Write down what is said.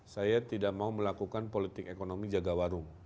saya tidak mau melakukan politik ekonomi jaga warung